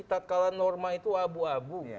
tadkala norma itu abu abu